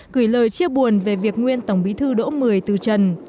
gửi lời chia buồn về việc nguyên tổng bí thư đỗ mười từ trần